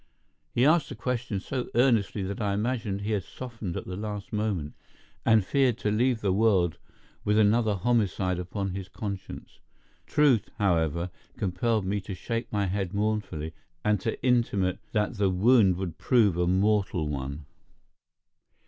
He asked the question so earnestly that I imagined he had softened at the last moment, and feared to leave the world with another homicide upon his conscience. Truth, however, compelled me to shake my head mournfully, and to intimate that the wound would prove a mortal one.